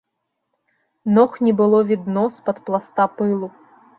Ног не было відно з-пад пласта пылу.